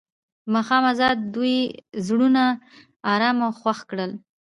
د ماښام اواز د دوی زړونه ارامه او خوښ کړل.